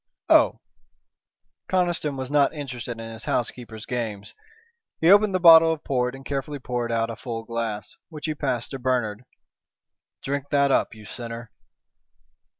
"Oh!" Conniston was not interested in his housekeeper's games. He opened the bottle of port and carefully poured out a full glass, which he passed to Bernard. "Drink that up, you sinner."